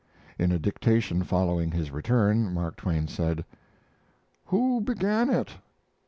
In a dictation following his return, Mark Twain said: Who began it?